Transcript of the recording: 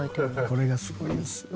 これがすごいんですよ。